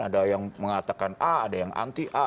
ada yang mengatakan a ada yang anti a